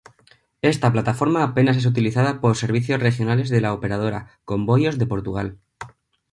Esta plataforma apenas es utilizada por servicios Regionales de la operadora Comboios de Portugal.